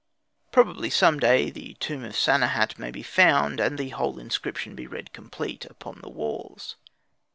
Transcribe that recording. Possibly some day the tomb of Sanehat may be found, and the whole inscription be read complete upon the walls.